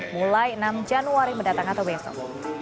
mulai enam januari mendatang atau besok